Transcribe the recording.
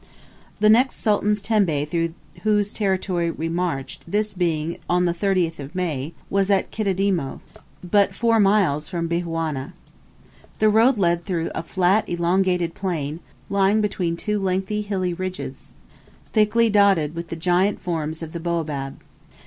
The next sultan's tembe through whose territory we marched, this being on the 30th May, was at Kididimo, but four miles from Bihawna. The road led through a flat elongated plain, lying between two lengthy hilly ridges, thickly dotted with the giant forms of the baobab.